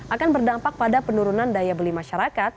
akan berdampak pada penurunan daya beli masyarakat